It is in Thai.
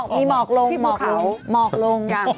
อ๋อมีหมอกลงหมอกลง